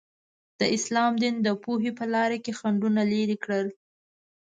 د اسلام دین د پوهې په لاره کې خنډونه لرې کړل.